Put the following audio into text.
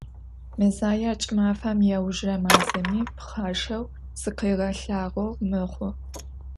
Мэзаер кӏымафэм иаужырэ мазэми, пхъашэу зыкъыгъэлъагъоу мэхъу.